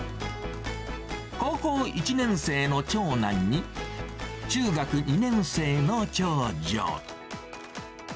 高校１年生の長男に、中学２年生の長女。